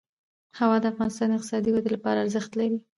هوا د افغانستان د اقتصادي ودې لپاره ارزښت لري.